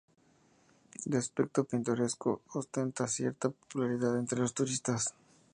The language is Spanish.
De aspecto pintoresco, ostenta cierta popularidad entre los turistas.